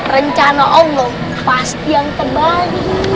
rencana allah pasti yang terbaik